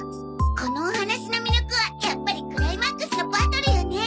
このお話の魅力はやっぱりクライマックスのバトルよね。